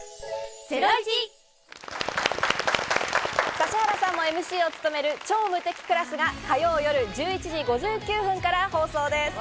指原さんもＭＣを務める『超無敵クラス』が火曜夜１１時５９分から放送です。